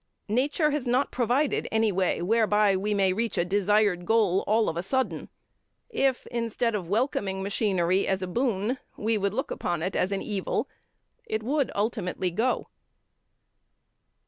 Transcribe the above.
Nature has not provided any way whereby we may reach a desired goal all of a sudden. If, instead of welcoming machinery as a boon, we would look upon it as an evil, it would ultimately go.